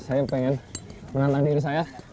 saya pengen menantang diri saya